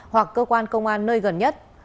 hoặc cơ quan công an nơi gần nhất